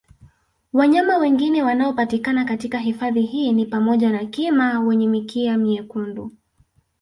Wanyama wengine wanaopatikana katika hifadhi hii ni pamoja na Kima wenye mikia myekundu